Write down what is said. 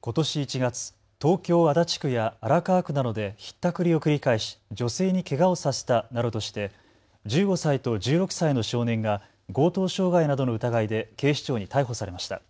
ことし１月、東京足立区や荒川区などでひったくりを繰り返し女性にけがをさせたなどとして１５歳と１６歳の少年が強盗傷害などの疑いで警視庁に逮捕されました。